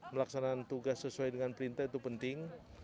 melaksanakan tugas sesuai dengan perintah itu penting